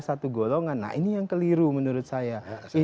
satu golongan nah ini yang keliru menurut saya